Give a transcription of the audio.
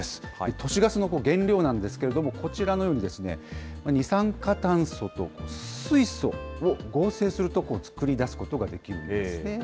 都市ガスの原料なんですけれども、こちらのように、二酸化炭素と水素を合成すると作り出すことができるんですね。